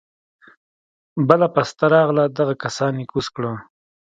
بله پسته راغله دغه کسان يې کوز کړه.